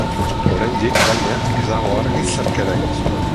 Oraindik, baina, ez dago argi zerk eragin zuen.